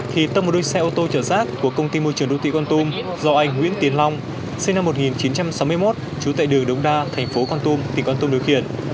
thì tông một đôi xe ô tô chở rác của công ty môi trường đô thị con tum do anh nguyễn tiến long sinh năm một nghìn chín trăm sáu mươi một trú tại đường đống đa thành phố con tum tỉnh con tôm điều khiển